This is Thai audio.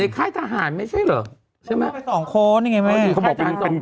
นักอยู่ในค่ายทหารไม่ใช่เหรอใช่ไหมสองคนเองไงแม่เขาบอกว่าเป็น